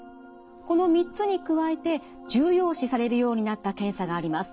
この３つに加えて重要視されるようになった検査があります。